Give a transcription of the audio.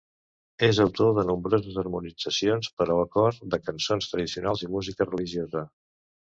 És autor de nombroses harmonitzacions per a cor de cançons tradicionals i música religiosa.